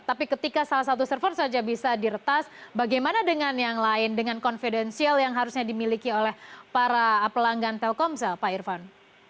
tapi ketika salah satu server saja bisa diretas bagaimana dengan yang lain dengan confidensial yang harusnya dimiliki oleh para pelanggan telkomsel pak irvan